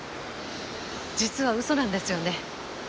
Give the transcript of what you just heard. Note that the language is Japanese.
実は嘘なんですよね。